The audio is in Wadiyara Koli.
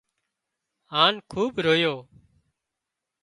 هانَ خوٻ رويو